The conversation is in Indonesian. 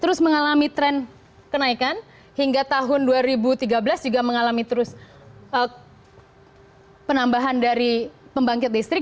terus mengalami tren kenaikan hingga tahun dua ribu tiga belas juga mengalami terus penambahan dari pembangkit listrik